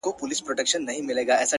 بيا به تاوان راکړې د زړگي گلي;